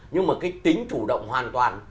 nhưng mà cái tính chủ động hoàn toàn